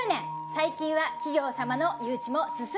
最近は企業様の誘致も進んでおります！